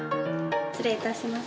失礼いたします。